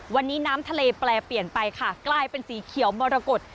วันนี้น้ำทะเลแปรเปลี่ยนไปค่ะกลายเป็นสีเขียวมรกฏ